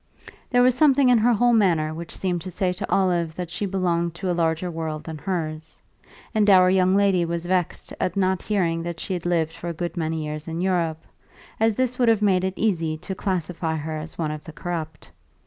There was something in her whole manner which seemed to say to Olive that she belonged to a larger world than hers; and our young lady was vexed at not hearing that she had lived for a good many years in Europe, as this would have made it easy to classify her as one of the corrupt.